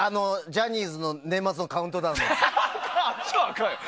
ジャニーズの年末のカウントダウンのやつ。